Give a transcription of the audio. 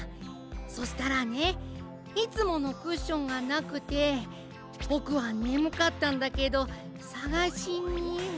そしたらねいつものクッションがなくてボクはねむかったんだけどさがしに。